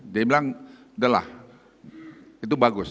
dia bilang udah lah itu bagus